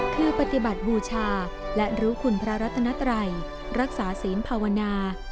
คือปฏิบัติบูชาและรู้คุณพระรัตนัตรัยรักษาศีลภาวนา